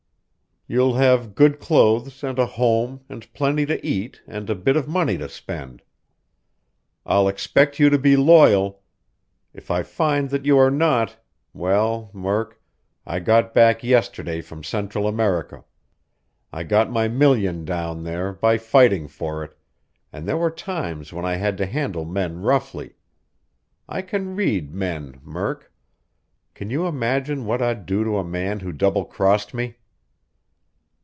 You'll have good clothes and a home and plenty to eat and a bit of money to spend. I'll expect you to be loyal. If I find that you are not well, Murk, I got back yesterday from Central America. I got my million down there, by fighting for it, and there were times when I had to handle men roughly. I can read men, Murk. Can you imagine what I'd do to a man who double crossed me?"